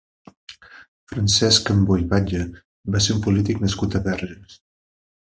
Francesc Cambó i Batlle va ser un polític nascut a Verges.